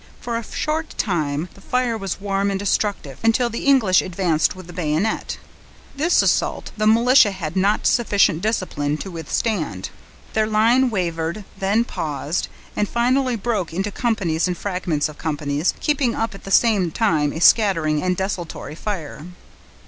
For a short time the fire was warm and destructive, until the English advanced with the bayonet. This assault the militia had not sufficient discipline to withstand. Their line wavered, then paused, and finally broke into companies and fragments of companies, keeping up at the same time a scattering and desultory fire.